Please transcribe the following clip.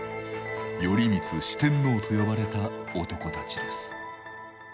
「頼光四天王」と呼ばれた男たちです。